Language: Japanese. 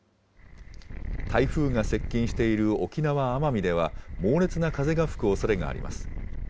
台風が接近している沖縄・奄美では、猛烈な風が吹くおそれがあります。